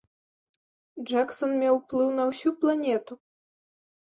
Джэксан меў ўплыў на ўсю планету!